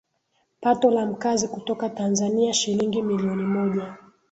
pato la Mkazi kutoka Tanzania shilingi milioni moja